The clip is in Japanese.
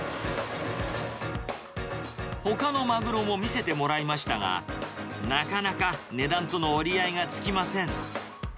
ほかのマグロも見せてもらいましたが、なかなか値段との折り合いがつきません。